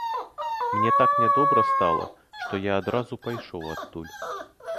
Мне так нядобра стала, што я адразу пайшоў адтуль.